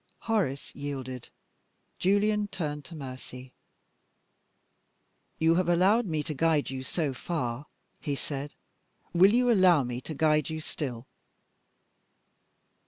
Horace yielded. Julian turned to Mercy. "You have allowed me to guide you so far," he said. "Will you allow me to guide you still?"